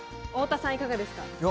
太田さん、いかがですか？